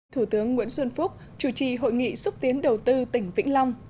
thủ tướng nguyễn xuân phúc chủ trì hội nghị xúc tiến đầu tư tỉnh vĩnh long